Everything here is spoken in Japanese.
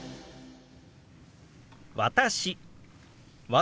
「私」。